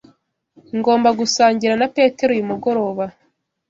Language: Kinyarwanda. Ngomba gusangira na Petero uyu mugoroba.